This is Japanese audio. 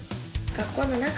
学校の中。